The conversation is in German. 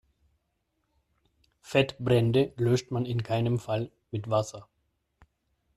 Fettbrände löscht man in keinem Fall mit Wasser.